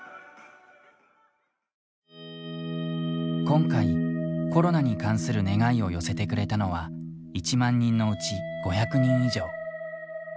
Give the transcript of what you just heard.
今回、コロナに関する願いを寄せてくれたのは１万人のうち５００人以上。